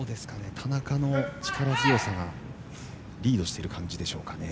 田中の力強さがリードしている感じでしょうか。